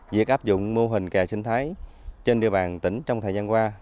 việc áp dụng mô hình kè sinh thái trên địa bàn tỉnh trong thời gian qua